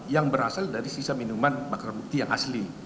yang berasal dari sisa minuman bakar bukti yang asli